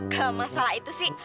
gak masalah itu sih